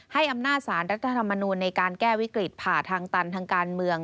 ให้อำนาจสารรัฐธรรมนูลในการแก้วิกฤตผ่าทางตันทางการเมือง